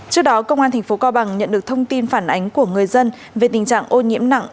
trước đó công an tp cao bằng nhận được thông tin phản ánh của người dân về tình trạng ô nhiễm nặng